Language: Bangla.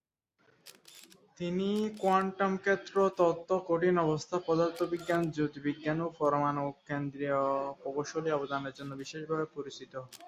তিনি কোয়ান্টাম ক্ষেত্র তত্ত্ব, কঠিন অবস্থা পদার্থবিজ্ঞান, জ্যোতির্বিজ্ঞান ও পরমাণুকেন্দ্রীয় প্রকৌশলে অবদানের জন্য বিশেষভাবে পরিচিত।